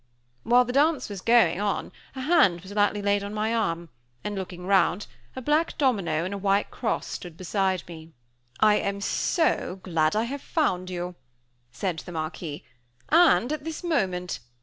While the dance was going on a hand was lightly laid on my arm, and, looking round, a black domino with a white cross stood beside me. "I am so glad I have found you," said the Marquis; "and at this moment.